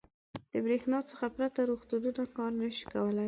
• د برېښنا څخه پرته روغتونونه کار نه شي کولی.